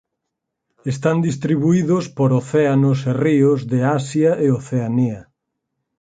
Están distribuídos por océanos e ríos de Asia e Oceanía.